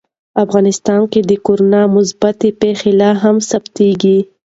افغانستان کې د کورونا مثبتې پېښې لا هم ثبتېږي.